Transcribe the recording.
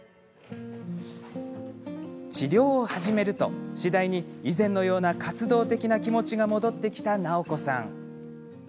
治療を始めると、次第に以前のような活動的な気持ちが戻ってきた直子さん。